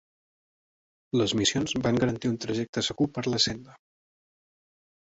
Les missions van garantir un trajecte segur per la senda.